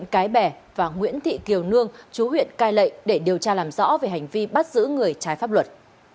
cái bè và nguyễn thị kiều nương chú huyện cai lệ để điều tra làm rõ về hành vi bắt giữ người trái pháp luật